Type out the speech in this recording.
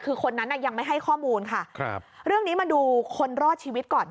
คือคนนั้นน่ะยังไม่ให้ข้อมูลค่ะครับเรื่องนี้มาดูคนรอดชีวิตก่อน